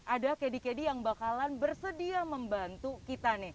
ada kedik kedik yang bakalan bersedia membantu kita